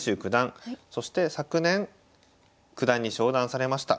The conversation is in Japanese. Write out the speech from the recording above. そして昨年九段に昇段されました。